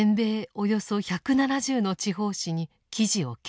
およそ１７０の地方紙に記事を掲載。